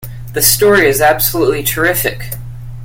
This story is absolutely terrific!